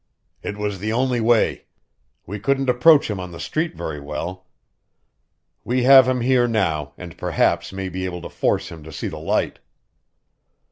"It was the only way. We couldn't approach him on the street very well. We have him here now and perhaps may be able to force him to see the light."